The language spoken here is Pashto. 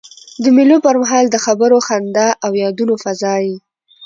د مېلو پر مهال د خبرو، خندا او یادونو فضا يي.